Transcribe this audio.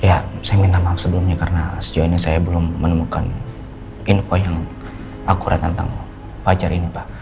ya saya minta maaf sebelumnya karena sejauh ini saya belum menemukan info yang akurat tentang fajar ini pak